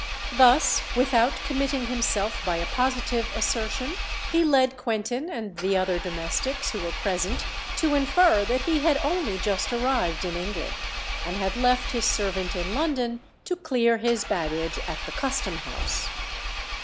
Thus, without committing himself by a positive assertion, he led Quentin and the other domestics who were present to infer that he had only just arrived in England, and had left his servant in London to clear his baggage at the Custom House.